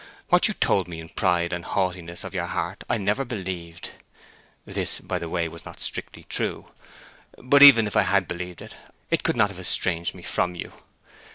What you told me in the pride and haughtiness of your heart I never believed [this, by the way, was not strictly true]; but even if I had believed it, it could never have estranged me from you.